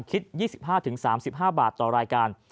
คิด๒๕๓๕บาทต่อรายการ